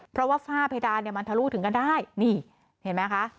เพราะว่าฝ้าเพดานเนี่ยมันทะลุถึงกันได้นี่เห็นไหมคะ